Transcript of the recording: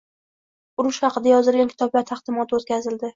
Urush haqida yozilgan kitoblar taqdimoti o‘tkazildi